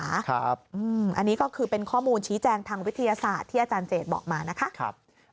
อันนี้ก็คือเป็นข้อมูลชี้แจงทางวิทยาศาสตร์ที่อาจารย์เจดบอกมานะคะ